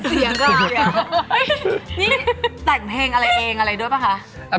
กว้างดัน